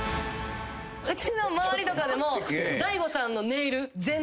うちの周りとかでも。